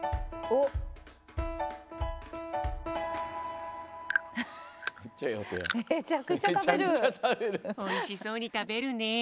おいしそうにたべるねえ。